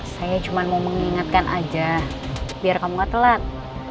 saya cuma mau mengingatkan aja biar kamu gak telat